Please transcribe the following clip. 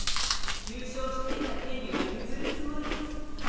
優勝して得た権利は譲るつもりです。